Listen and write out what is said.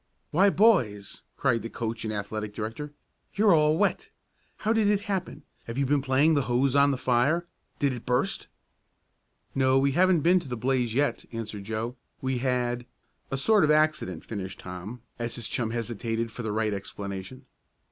"Why, boys!" cried the coach and athletic director. "You're all wet! How did it happen? Have you been playing the hose on the fire? Did it burst?" "No, we haven't been to the blaze yet," answered Joe. "We had " "A sort of accident," finished Tom, as his chum hesitated for the right explanation.